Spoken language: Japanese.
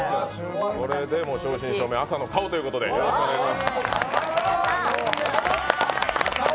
これで正真正銘、朝の顔ということで、よろしくお願いします。